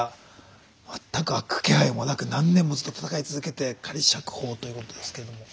全く開く気配もなく何年もずっと闘い続けて仮釈放ということですけども。